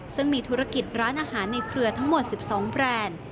ซึ่งมีธุรกิจร้านอาหารในเครือทั้งหมด๑๒แบรนด์